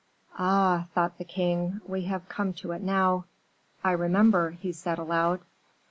"Ah!" thought the king, "we have come to it now. I remember," he said, aloud.